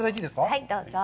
はい、どうぞ。